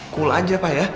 cool aja pak ya